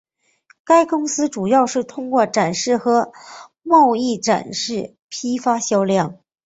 该公司主要是通过展示和贸易展览批发销售。